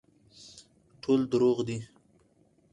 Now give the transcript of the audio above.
ټول دروغ دي